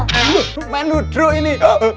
aduh main ludro ini